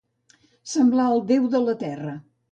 Semblar el Déu de la terra.